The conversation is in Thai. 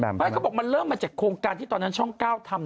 ไม่เขาบอกมันเริ่มมาจากโครงการที่ตอนนั้นช่อง๙ทำ